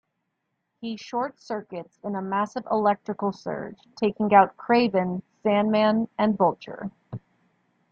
He 'short circuits' in a massive electrical surge, taking out Kraven, Sandman and Vulture.